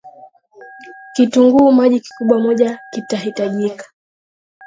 Kitunguu maji Kikubwa mojakitahitajika